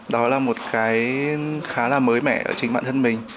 đó là một cái khá là mới mẻ ở chính bản thân mình